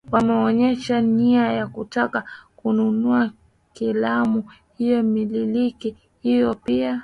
ameonyesha nia ya kutaka kununua klabu hiyo mmiliki huyo pia